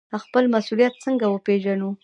خپل مسوولیت څنګه وپیژنو؟